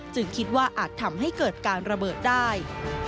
คิดว่าอาจทำให้เกิดการระเบิดได้